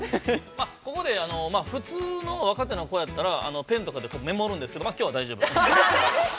◆ここで、普通の若手の子やったらペンとかでメモるんですけどまあ、きょうは大丈夫。